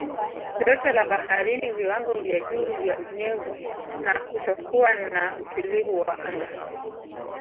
Joto la baharini viwango vya juu vya unyevu na kutokuwa na utulivu wa anga